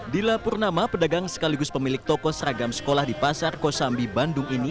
di la purnama pedagang sekaligus pemilik toko seragam sekolah di pasar kosambi bandung ini